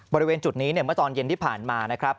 บริเวณจุดนี้เมื่อตอนเย็นที่ผ่านมานะครับ